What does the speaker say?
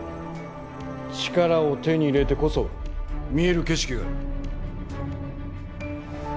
力を手に入れてこそ見える景色がある。